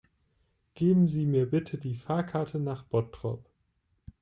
Geben Sie mir bitte die Fahrkarte nach Bottrop